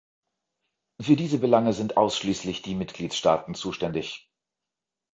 Für diese Belange sind ausschließlich die Mitgliedstaaten zuständig.